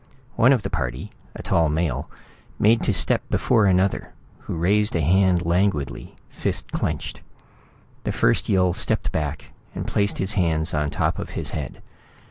One of the party, a tall male, made to step before another, who raised a hand languidly, fist clenched. The first Yill stepped back and placed his hands on top of his head.